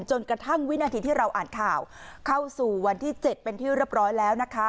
จนกระทั่งวินาทีที่เราอ่านข่าวเข้าสู่วันที่๗เป็นที่เรียบร้อยแล้วนะคะ